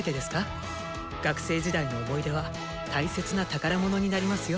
学生時代の思い出は大切な宝物になりますよ。